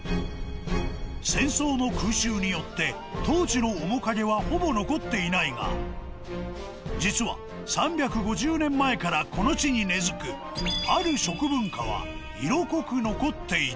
戦争の空襲によって当時の面影はほぼ残っていないが実は３５０年前からこの地に根付くある食文化は色濃く残っていた。